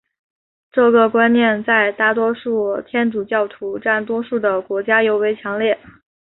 这个观念在大多数天主教徒占多数的国家尤为强烈。